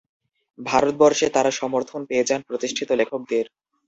ভারতবর্ষে তারা সমর্থন পেয়ে যান প্রতিষ্ঠিত লেখকদের।